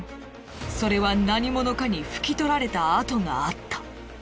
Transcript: それは何者かに拭きとられた跡があった。